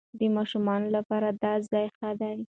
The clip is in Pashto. د ماشومانو لپاره دا ځای ښه دی.